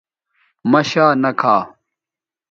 مہ شا نہ کھا